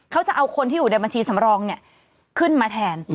เขาจะเอาคนที่อยู่ในบัญชีสำรองขึ้นมาแทน